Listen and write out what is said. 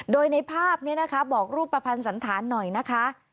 โดยในภาพนี้นะคะบอกรูปภัณฑ์สันธารหน่อยนะคะ